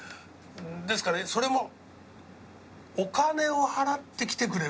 ですからそれもお金を払ってきてくれる人。